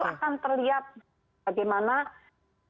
itu akan terlihat bagaimana perubahan dunia